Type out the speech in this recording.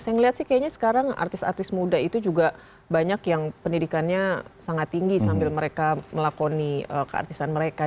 saya melihat sih kayaknya sekarang artis artis muda itu juga banyak yang pendidikannya sangat tinggi sambil mereka melakoni keartisan mereka